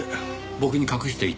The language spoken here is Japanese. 僕に隠していた。